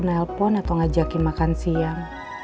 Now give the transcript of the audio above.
nelpon atau ngajakin makan siang